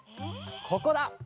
ここだ！